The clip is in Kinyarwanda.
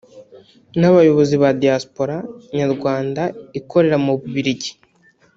n’abayobozi ba Diaspora Nyarwanda ikorera mu Bubiligi